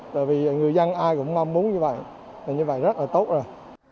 tại vì người dân ai cũng mong muốn như vậy là như vậy rất là tốt rồi